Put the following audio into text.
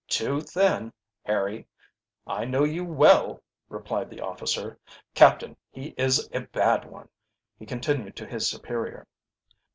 "Too thin, Harry; I know you well," replied the officer. "Captain, he is a bad one," he continued to his superior.